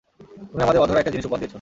তুমি আমাদের অধরা একটা জিনিস উপহার দিয়েছ!